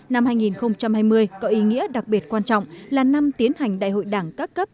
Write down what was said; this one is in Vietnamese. năm hai nghìn hai mươi có ý nghĩa đặc biệt quan trọng là năm tiến hành đại hội đảng các cấp